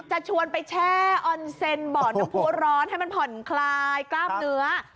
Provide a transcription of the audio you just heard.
จะชวนไปแช่ออนเซ็นบ่อน้ำผู้ร้อนให้มันผ่อนคลายกล้ามเนื้อ